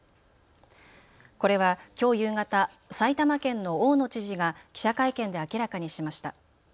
これはきょう夕方、埼玉県の大野知事が記者会見で明らかにしました。